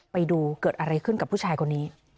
ไปดูเกิดอะไรขึ้นกับผู้ชายคนนี้